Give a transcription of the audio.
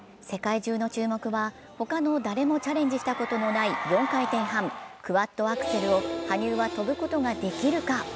世界中の注目は、ほかの誰もチャレンジしたことのない４回転半、クワッドアクセルを羽生は跳ぶことができるか？